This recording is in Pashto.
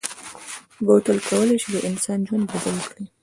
بوتل کولای شي د انسان ژوند بدل کړي.